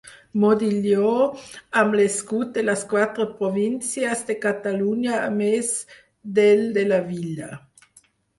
Modilló amb l'escut de les quatre províncies de Catalunya a més del de la Vila.